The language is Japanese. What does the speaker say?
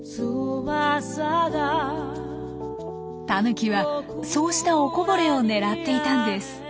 タヌキはそうしたおこぼれを狙っていたんです。